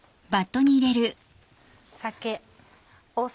酒。